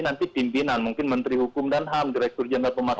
nanti pimpinan mungkin menteri hukum dan ham direktur jenderal pemakaman